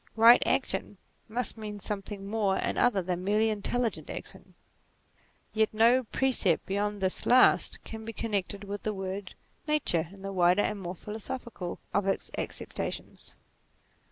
Eight action, must mean something more and other than merely intelligent action : yet no precept beyond this last, can be connected with the word Nature in the wider and more philosophical of its acceptations.